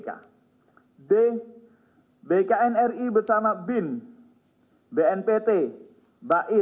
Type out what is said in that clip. c badan intelijen strategis tni badanual prestasi